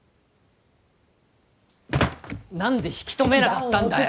なんで引き止めなかったんだよ